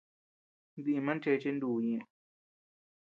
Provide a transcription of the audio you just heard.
Diman cheche nu ñeʼe.